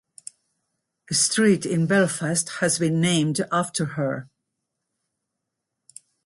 A street in Belfast has been named after her.